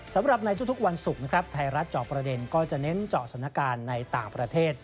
สำหรับในทุกวันศุกร์นะครับไทยรัฐเจาะประเด็นก็จะเน้นเจาะสถานการณ์ในต่างประเทศ